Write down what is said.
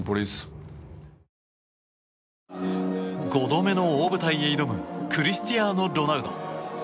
５度目の大舞台へ挑むクリスティアーノ・ロナウド。